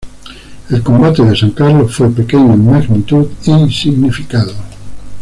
El combate de San Carlos fue pequeño en magnitud y significado.